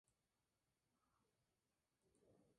Tiene una franja rufa en el ala doblada.